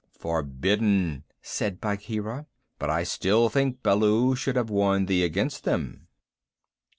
"Forbidden," said Bagheera, "but I still think Baloo should have warned thee against them."